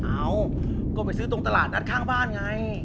เอ้าก็ไปซื้อตรงตลาดนัดข้างบ้านไง